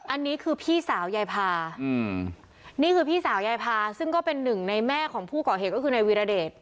อันนี้คือพี่สาวยายพานี่คือพี่สาวยายพาซึ่งก็เป็นหนึ่งในแม่ของผู้ก่อเหตุก็คือนายวีรเดช